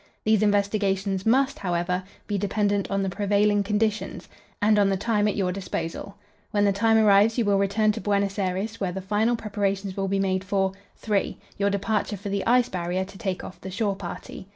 These investigations must, however, be dependent on the prevailing conditions, and on the time at your disposal. When the time arrives you will return to Buenos Aires, where the final preparations will be made for "3. Your departure for the Ice Barrier to take off the shore party.